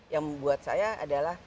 yang membuat saya adalah